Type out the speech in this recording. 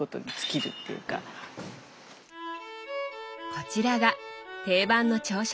こちらが定番の朝食。